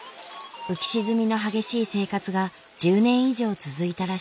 浮き沈みの激しい生活が１０年以上続いたらしい。